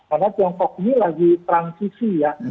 karena tiongkok ini lagi transisi ya